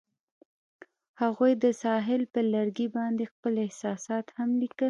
هغوی د ساحل پر لرګي باندې خپل احساسات هم لیکل.